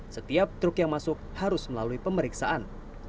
setiap truk yang masuk harus melalui pemeriksaan